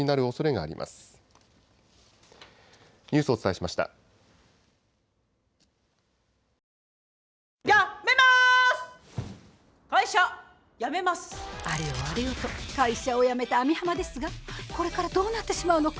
あれよと会社を辞めた網浜ですがこれからどうなってしまうのか？